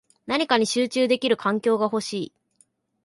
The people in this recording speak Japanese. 何かに集中できる環境が欲しい